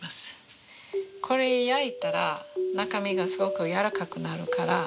これ焼いたら中身がすごく軟らかくなるから。